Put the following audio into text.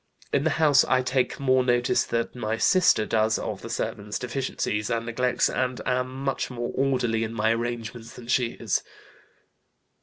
In the house I take more notice than my sister does of the servants' deficiencies and neglects, and am much more orderly in my arrangements than she is."